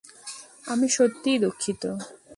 আমি সত্যিই দুঃখিত!